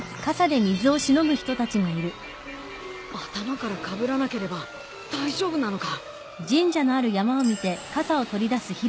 頭からかぶらなければ大丈夫なのか。